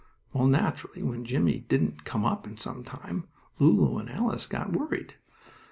Well, naturally, when Jimmie didn't come up in some time, Lulu and Alice got worried.